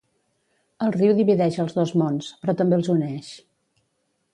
El riu divideix els dos mons, però també els uneix.